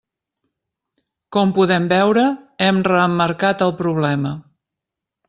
Com podem veure, hem reemmarcat el problema.